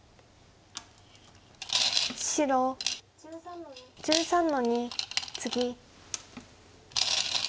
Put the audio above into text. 白１３の二ツギ。